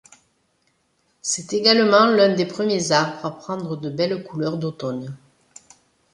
C'est également l'un des premiers arbres à prendre de belles couleurs d'automne.